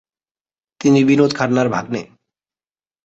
তিনি বিনোদ খান্নার ভাগ্নে।